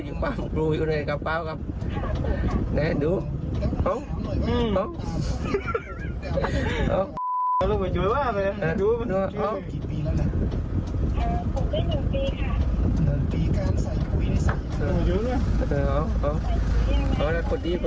ต่ออยู่แล้วใส่รูปวินิสัยกรรมด้วยแน่